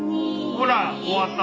ほら終わった！